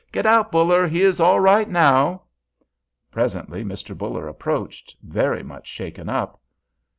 "Get out, Buller; he is all right now!" Presently Mr. Buller approached, very much shaken up.